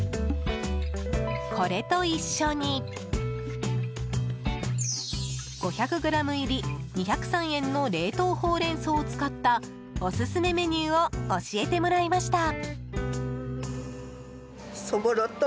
これと一緒に５００ｇ入り２０３円の冷凍ホウレンソウを使ったオススメメニューを教えてもらいました。